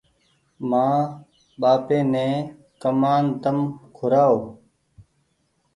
مآن ٻآپي ني ڪمآن تم کورآئو۔